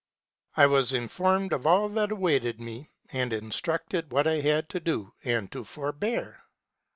" 'I was informed of all that awaited me, and instructed what I had to do and to forbear.